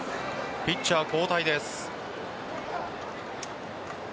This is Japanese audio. ピッチャー交代です。